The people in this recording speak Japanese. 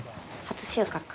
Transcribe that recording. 初収穫。